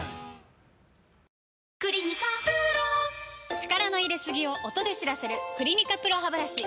力の入れすぎを音で知らせる「クリニカＰＲＯハブラシ」